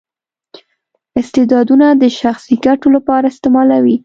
استعدادونه د شخصي ګټو لپاره استعمالوي.